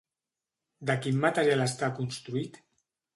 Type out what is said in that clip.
De quin material està construït?